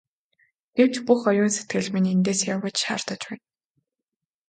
Гэвч бүх оюун сэтгэл минь эндээс яв гэж шаардаж байна.